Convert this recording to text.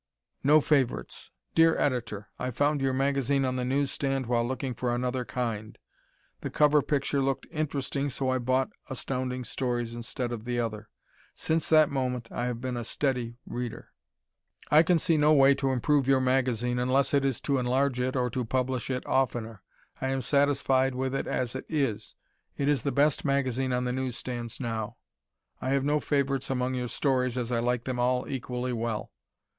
"No Favorites" Dear Editor: I found your magazine on the newsstand while looking for another kind. The cover picture looked interesting so I bought Astounding Stories instead of the other. Since that moment I have been a steady reader. I can see no way to improve your magazine unless it is to enlarge it or to publish it oftener. I am satisfied with it as it is. It is the best magazine on the newsstands now. I have no favorites among your stories as I like them all equally well.